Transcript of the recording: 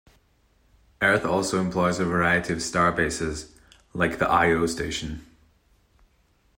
Earth also employs a variety of starbases, like the Io station.